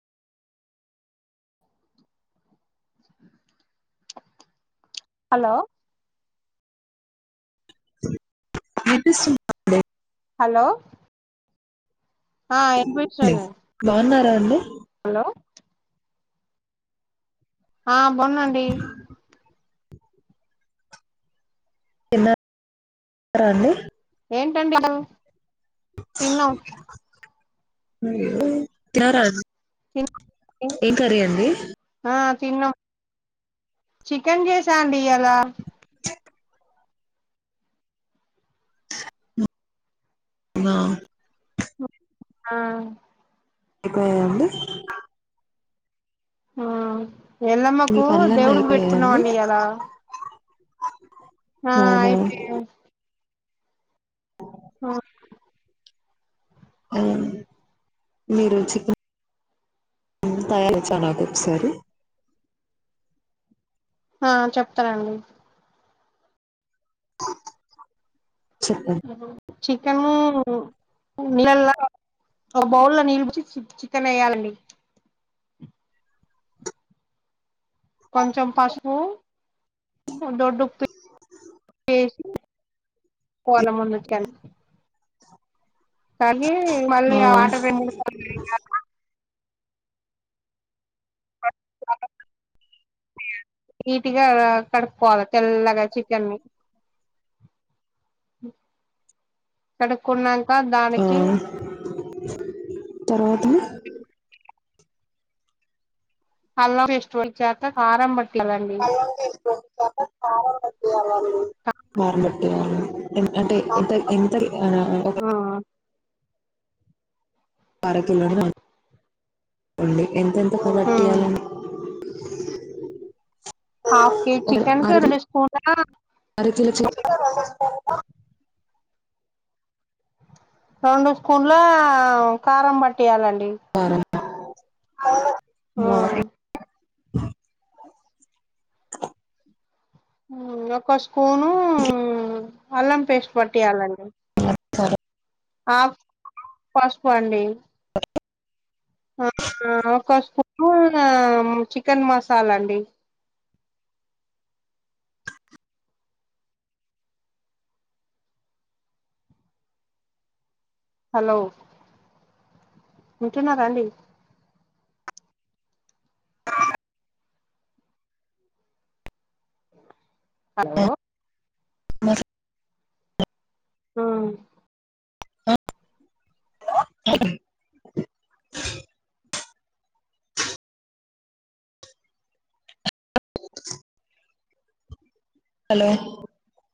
hello వినిపిస్తుందా అండి hello ఆ ఇన్పిస్తుంద బాగున్నారా అండి హలో ఆ వొన్నండి తిన్నారా అండి ఏంటండి తిన్నాం తినార తిన్నాం ఏం కర్రీ అండి ఆ తిన్నాం చికెన్ జేసా అండీ ఇయాల వావ్ ఆ అయిపోయాయ అండి ఆ మీ ఎళ్ళమ్మకు పనులన్నీ దేవుడికి అయిపోయాయండి పెట్టుకున్నామండి ఇయాల ఆ అవునా అయిపోయ్యు హ్మ్ హ్మ్ మీరు చికె తయారచ్చ నాకొకసారి ఆ చెప్తనండి చెప్పండి అ చికెను నీళ్ళల్లో ఒక బౌల్లో నీళ్లు బోసి చికెన్ వేయాలండి కొంచం పసుపు దొడ్డుప్పు ఏసి కోలం ముందు చికెన్ కానీ మళ్ళీ ఆ వాటర్ రెండు మూడు సార్లు ఎయ్యాల నీటిగా కడుక్కోవాల తెల్లగా చికెన్ని కడుక్కున్నా ఆ తర్వాత అల్లం పేస్ట్ వచ్చాక కారం బట్ పలావ్ జెస్కో కారం బట్టీయాలా ఎం అంటే ఎంత ఎంత ఆ ఆ అరకిలోనే అనుకోండి ఎంతెన్ ఒక బట్టీయాలని హాఫ్ కేజీ చికెన్ కి అర రెండు స్పూన్ల అరకిలో చి రెండు స్పూన్ల కారం పట్టియాలండి ఆ అవు ఆ ఆ ఒక స్పూను అల్లం పేస్ట్ పట్టియాలండి నమస్కారం ఆ పసుపండి ఒక స్పూన్ చికెన్ మసాలా అండి హలో ఉంటున్నారా అండి హలో మరి ఆ హలో హలో